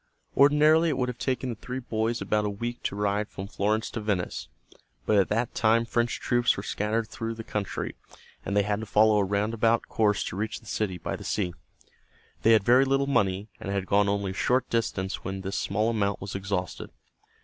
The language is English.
Ordinarily it would have taken the three boys about a week to ride from Florence to Venice, but at that time French troops were scattered through the country, and they had to follow a roundabout course to reach the city by the sea. They had very little money, and had gone only a short distance when this small amount was exhausted.